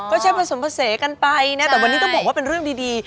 ก็ใช้ผสมผสากันไปนะแต่วันนี้ต้องบอกว่าเป็นเรื่องดี